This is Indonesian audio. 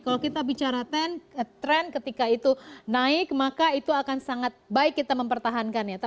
kalau kita bicara tren ketika itu naik maka itu akan sangat baik kita mempertahankannya